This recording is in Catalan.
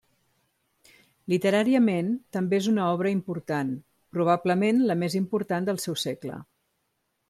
Literàriament, també és una obra important, probablement la més important del seu segle.